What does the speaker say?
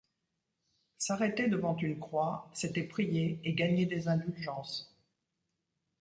S’arrêter devant une croix, c’était prier et gagner des indulgences.